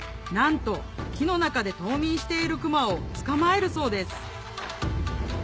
なんと木の中で冬眠している熊を捕まえるそうです